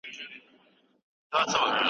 کله پیسې د ذهني هوسایني لامل کېدای سي؟